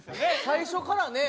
最初からね。